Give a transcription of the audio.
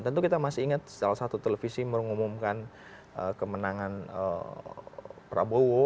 tentu kita masih ingat salah satu televisi mengumumkan kemenangan prabowo